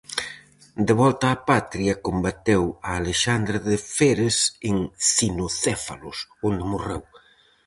De volta á patria, combateu a Alexandre de Feres en Cinocéfalos, onde morreu.